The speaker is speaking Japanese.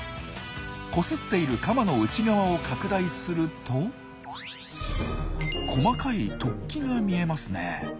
こすっているカマの内側を拡大すると細かい突起が見えますね。